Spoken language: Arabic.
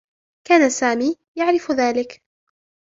كان سامي يعرف ذلك.